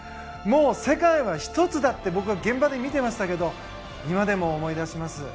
世界はひとつだって僕は現場で見ていましたが今でも思い出します。